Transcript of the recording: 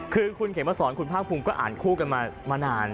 คือคุณเขมสอนคุณภาคภูมิก็อ่านคู่กันมานาน